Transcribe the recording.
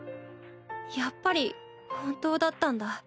やっぱり本当だったんだ。